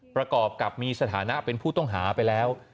ประกอบกับมีสถานะเป็นผู้ต้องหาไปแล้ว